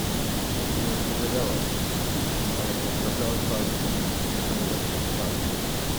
"Nie odpowiadała nic, ale nie odwracała twarzy i nie broniła się wcale."